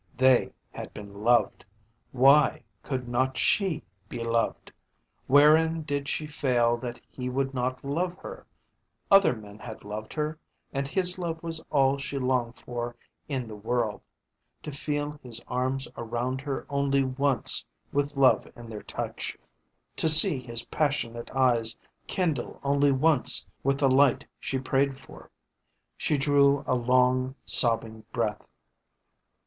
They had been loved. Why could not she be loved? Wherein did she fail that he would not love her? Other men had loved her, and his love was all she longed for in the world. To feel his arms around her only once with love in their touch, to see his passionate eyes kindle only once with the light she prayed for. She drew a long sobbing breath.